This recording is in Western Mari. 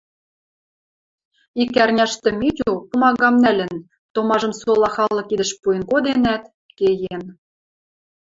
Ик ӓрняштӹ Митю, пумагам нӓлӹн, томажым сола халык кидӹш пуэн коденӓт, кеен.